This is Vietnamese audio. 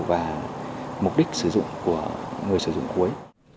và mục đích sử dụng của người sử dụng cuối